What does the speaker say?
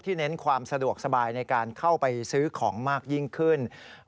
เน้นความสะดวกสบายในการเข้าไปซื้อของมากยิ่งขึ้น